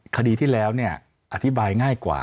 คดีที่แล้วอธิบายง่ายกว่า